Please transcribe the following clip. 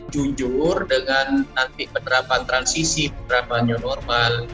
jujur dengan nanti penerapan transisi penerapan new normal